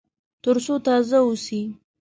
تر څو تازه واوسي.